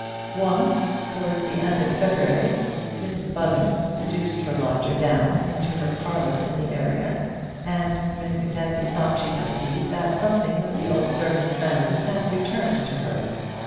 Once, towards the end of February, Mrs Buggins seduced her lodger down into her parlour in the area, and Miss Mackenzie thought she perceived that something of the old servant's manners had returned to her.